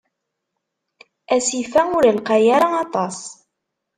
Asif-a ur lqay ara aṭas.